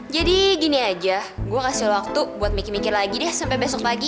jadi gini aja gue kasih lo waktu buat miky mikir lagi deh sampe besok pagi